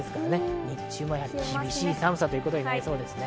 日中も厳しい寒さということになりそうです。